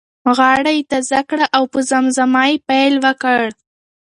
غاړه یې تازه کړه او په زمزمه یې پیل وکړ.